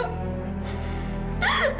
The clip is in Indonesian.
kamu gak boleh temenin aku